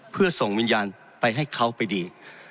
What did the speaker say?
เพื่อส่งวิญญาณไปให้เขาไปดี